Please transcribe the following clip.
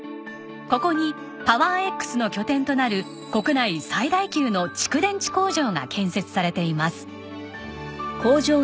ここにパワーエックスの拠点となる国内最大級の蓄電池工場が建設されています。